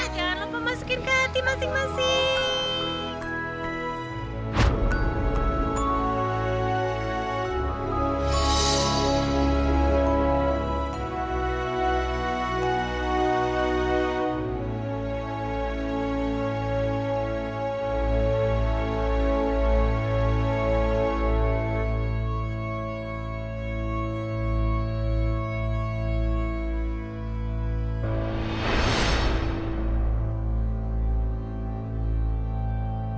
jangan lupa masukin ke hati masing masing